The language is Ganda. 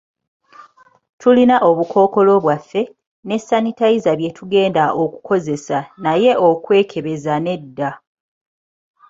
Tulina obukookolo bwaffe, ne sanitayiza bye tugenda okukozesa naye okwekebezeza nedda.